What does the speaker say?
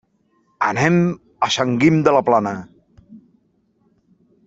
Anem a Sant Guim de la Plana.